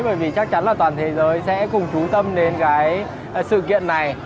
bởi vì chắc chắn là toàn thế giới sẽ cùng trú tâm đến cái sự kiện này